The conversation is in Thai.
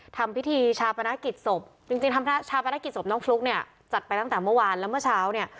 ทำพิธีชาปนเกียจศพจัดไปตั้งแต่เมื่อวานแล้วเมื่อเช้าเนี่ย